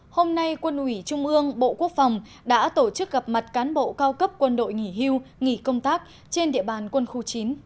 hôm nay quân ủy trung ương bộ quốc phòng đã tổ chức gặp mặt cán bộ cao cấp quân đội nghỉ hưu nghỉ công tác trên địa bàn quân khu chín